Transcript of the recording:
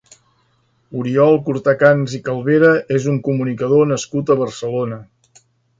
Oriol Cortacans i Calvera és un comunicador nascut a Barcelona.